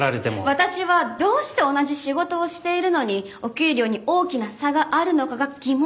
私はどうして同じ仕事をしているのにお給料に大きな差があるのかが疑問なんです。